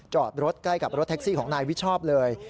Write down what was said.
จอดรถใกล้กับรถแท็กซี่ของนายวิชอบเลย